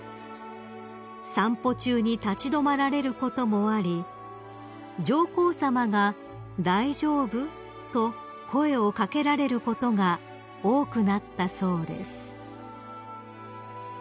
［散歩中に立ち止まられることもあり上皇さまが「大丈夫？」と声を掛けられることが多くなったそうです］